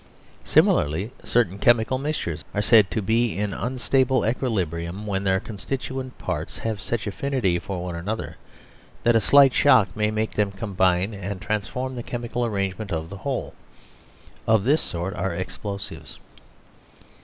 Similarly, certain chemical mixtures are said to be in unstable equilibrium when their constituent parts have such affinity one for another that a slight shock may make them combine and transform the chemi cal arrangement of the whole. Of this sort are ex plosives.